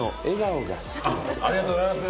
ありがとうございます！